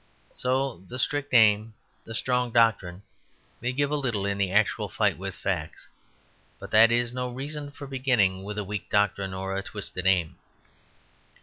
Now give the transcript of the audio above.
So the strict aim, the strong doctrine, may give a little in the actual fight with facts: but that is no reason for beginning with a weak doctrine or a twisted aim.